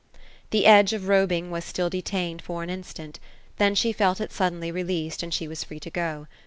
The edge of robing was still detained for an instant ; then she felt it suddenly released, and she was free to go.